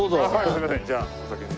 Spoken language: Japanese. すいませんじゃあお先に。